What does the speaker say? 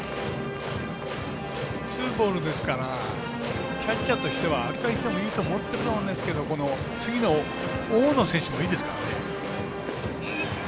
ツーボールですからキャッチャーとしては歩かせてもいいと思ってるんでしょうけど次の大野選手もいいですからね。